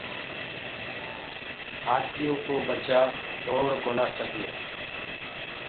هآٿيو ڪو ڀچآ دوڙ ڪونآ سگي ۔